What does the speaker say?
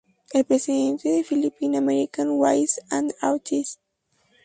Es presidente del Philippine American Writers and Artists.